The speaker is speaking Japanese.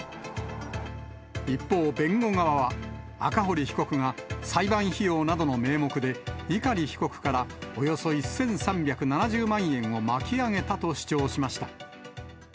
一方、弁護側は、赤堀被告が裁判費用などの名目で、碇被告からおよそ１３７０万円を巻き上げたと主張しました。